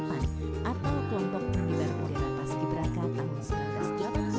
atau kelompok penghibar bandara paski beraka tahun seribu sembilan ratus delapan puluh